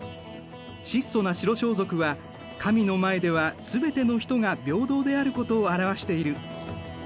質素な白装束は神の前では全ての人が平等であることを表している。